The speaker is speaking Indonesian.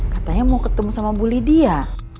katanya mau ketemu sama bu lydia